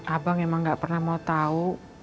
abang emang gak pernah mau tahu